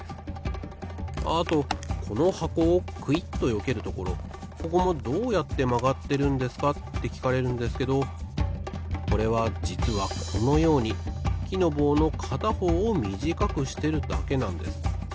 ああとこのはこをクイッとよけるところここもどうやってまがってるんですかってきかれるんですけどこれはじつはこのようにきのぼうのかたほうをみじかくしてるだけなんです。